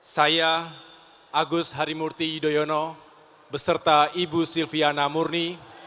saya agus harimurti yudhoyono beserta ibu silviana murni